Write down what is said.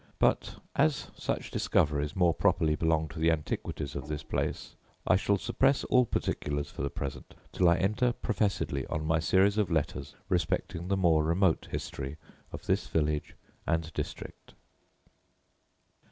But, as such discoveries more properly belong to the antiquities of this place, I shall suppress all particulars for the present, till I enter professedly on my series of letters respecting the more remote history of this village and district.